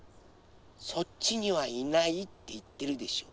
そっちにはいないっていってるでしょ。